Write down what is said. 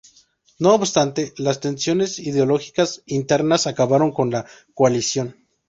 No obstante, las tensiones ideológicas internas acabaron con la coalición.